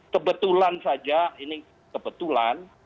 kebetulan saja ini kebetulan